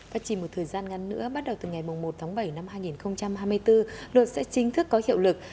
và chỉ một thời gian ngắn nữa bắt đầu từ ngày một tháng bảy năm hai nghìn hai mươi bốn luật sẽ chính thức có hiệu lực